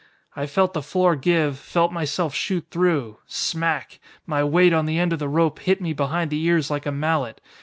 "I felt the floor give, felt myself shoot through. Smack! My weight on the end of the rope hit me behind the ears like a mallet.